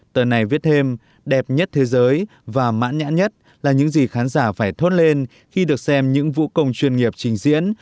tờ này viết thêm đẹp nhất thế giới và mãn nhãn nhất là những gì khán giả phải thốt lên khi được xem những vũ công chuyên nghiệp trình diễn